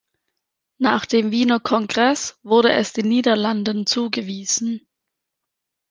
Nach dem Wiener Kongress wurde es den Niederlanden zugewiesen.